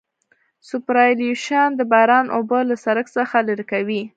سوپرایلیویشن د باران اوبه له سرک څخه لرې کوي